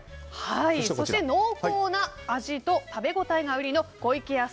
そして濃厚な味と食べ応えが売りの湖池屋